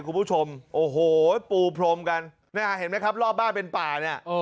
คุณผู้ชมโอ้โหปูพรมกันนะฮะเห็นไหมครับรอบบ้านเป็นป่าเนี่ย